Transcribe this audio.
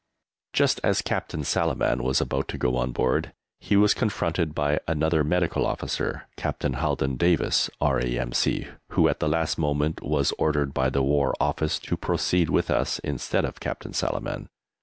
Just as Captain Salaman was about to go on board, he was confronted by another Medical Officer, Captain Halden Davis, R.A.M.C., who, at the last moment, was ordered by the War Office to proceed with us instead of Captain Salaman.